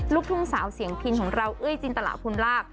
ลูกทุ่งสาวเสียงพินของเราเอ้ยจินตลาพุนลาภ